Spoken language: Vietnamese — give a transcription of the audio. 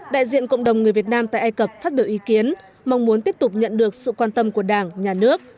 đại diện cộng đồng người việt nam tại ai cập phát biểu ý kiến mong muốn tiếp tục nhận được sự quan tâm của đảng nhà nước